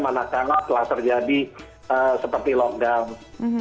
manakala telah terjadi seperti lockdown